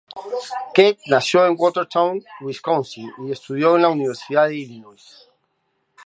Keck nació en Watertown, Wisconsin y estudió en la Universidad de Illinois.